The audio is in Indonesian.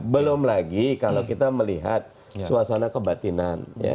belum lagi kalau kita melihat suasana kebatinan